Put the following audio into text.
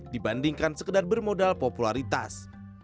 dibandingkan sekedar bermodal popularitas